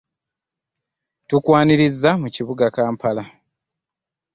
Tukwaniriza mu kibuga Kampala.